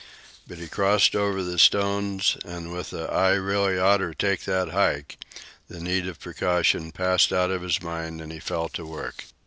But he crossed over on the stones, and with a "I really oughter take that hike," the need of the precaution passed out of his mind and he fell to work.